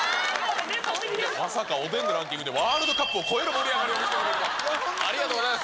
まさかおでんのランキングで、ワールドカップを超える盛り上がりを見せるとは、ありがとうございます。